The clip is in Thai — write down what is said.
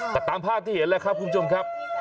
ก็ตามภาพที่เห็นแล้วครับคุณผู้ชมครับ